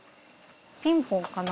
ピンポンかな。